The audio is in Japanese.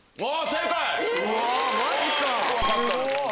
正解！